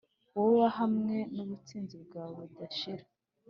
wowe hamwe nubutsinzi bwawe budashira